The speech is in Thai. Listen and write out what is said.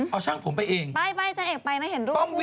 เอาช่างผมไปเองไปจันเอกไปนะเห็นรูปผู้